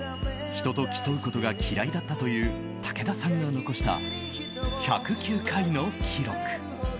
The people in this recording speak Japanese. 人と競うことが嫌いだったという武田さんが残した１０９回の記録。